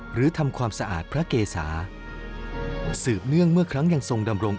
หรือทำความสะอาดพระเกษาสืบเนื่องเมื่อครั้งยังทรงดำรง